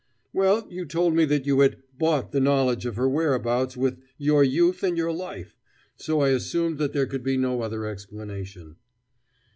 "Well, you told me that you had 'bought' the knowledge of her whereabouts with 'your youth and your life' so I assumed that there could be no other explanation."